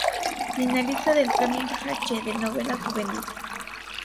Finalista del Premio "Hache" de novela juvenil.